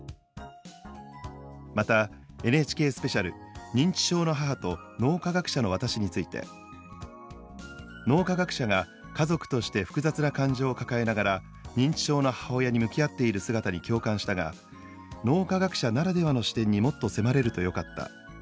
またＮＨＫスペシャル「認知症の母と脳科学者の私」について「脳科学者が家族として複雑な感情を抱えながら認知症の母親に向き合っている姿に共感したが脳科学者ならではの視点にもっと迫れるとよかった」。